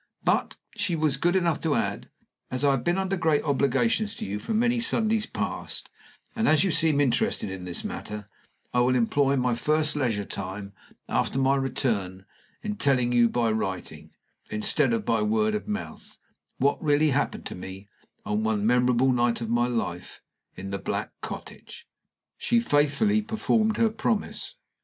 'But,' she was good enough to add, 'as I have been under great obligations to you for many Sundays past, and as you seem interested in this matter, I will employ my first leisure time after my return in telling you by writing, instead of by word of mouth, what really happened to me on one memorable night of my life in The Black Cottage.' "She faithfully performed her promise.